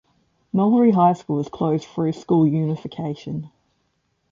Mulberry High School was closed through school unification.